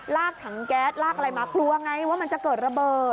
กถังแก๊สลากอะไรมากลัวไงว่ามันจะเกิดระเบิด